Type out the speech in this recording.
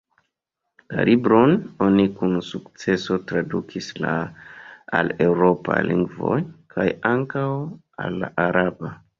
La libron oni kun sukceso tradukis al eŭropaj lingvoj, kaj ankaŭ al la araba.